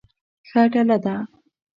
ښه ډله ده.